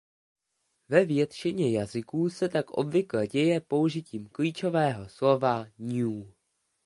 Ve většině jazyků se tak obvykle děje použitím klíčového slova new.